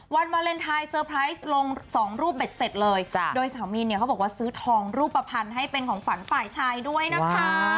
วาเลนไทยเซอร์ไพรส์ลงสองรูปเบ็ดเสร็จเลยโดยสาวมีนเนี่ยเขาบอกว่าซื้อทองรูปภัณฑ์ให้เป็นของขวัญฝ่ายชายด้วยนะคะ